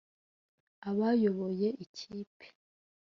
Abayoboye ikipe